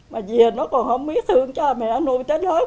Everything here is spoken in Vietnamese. mà dì nó còn không biết thương cha mẹ nuôi trái đớn